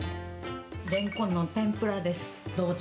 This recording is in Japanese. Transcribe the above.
レンコンの天ぷらです。